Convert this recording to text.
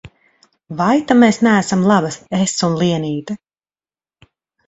Vai ta mēs tev neesam labas, es un Lienīte?